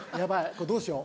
これどうしよう。